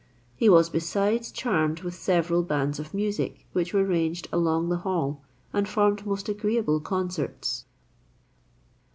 He was besides charmed with several bands of music, which were ranged along the hall, and formed most agreeable concerts.